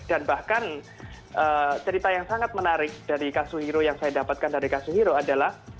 karena cerita yang sangat menarik dari kazuhiro yang saya dapatkan dari kazuhiro adalah